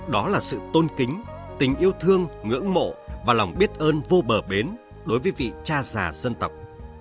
đó là sự tôn kính tình yêu thương ngưỡng mộ và lòng biết ơn vô bờ bến đối với vị cha già dân tộc